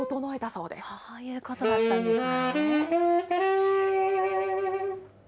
そういうことだったんですね。